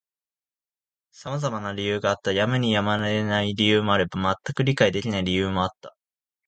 様々な理由があった。やむにやまれない理由もあれば、全く理解できない理由もあった。